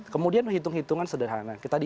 kemudian hitung hitungan sederhana